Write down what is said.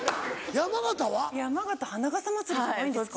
山形花笠まつりじゃないんですか。